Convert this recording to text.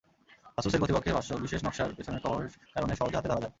আসুসের কর্তৃপক্ষের ভাষ্য, বিশেষ নকশার পেছনের কভারের কারণে সহজে হাতে ধরা যায়।